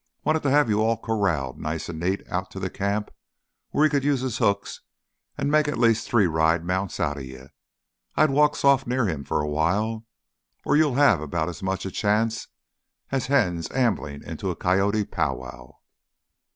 Wanted to have you all corralled nice an' neat out to th' camp where he could use his hooks an' make at least three ride mounts outta you. I'd walk soft near him for a while, or you'll have about as much chance as hens amblin' into a coyote powwow."